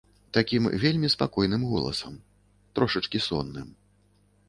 Такім вельмі спакойным голасам, трошачкі сонным.